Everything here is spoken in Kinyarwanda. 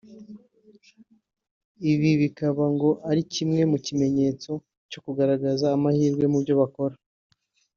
Ibi bikaba ngo ari kimwe mu kimenyetso cyo kugaragaza amahirwe mubyo bakora